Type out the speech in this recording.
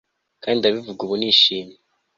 Kandi ndabivuga ubu nishimye